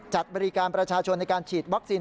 จัดบริการประชาชนในการฉีดวัคซีน